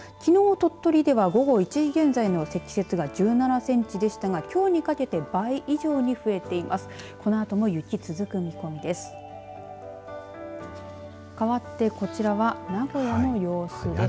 鳥取では午後１時現在の積雪が１７センチでしたがきょうにかけて倍以上に増えています。